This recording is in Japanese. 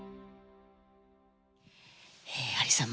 ハリーさん